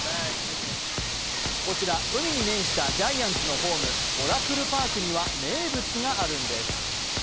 こちら海に面したジャイアンツのホーム、オラクル・パークには名物があるんです。